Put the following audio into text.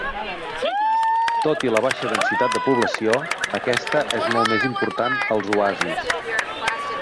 Tot i la baixa densitat de població, aquesta és molt més important als oasis.